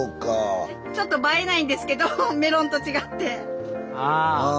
ちょっと映えないんですけどメロンと違って。